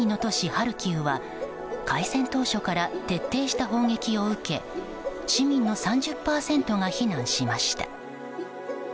ハルキウは開戦当初から徹底した砲撃を受け市民の３０％が避難しました。